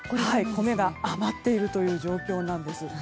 米が余っているという状況です。